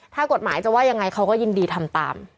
ถูกต้องไหมล่ะ